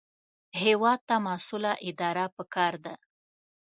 هېواد ته مسؤله اداره پکار ده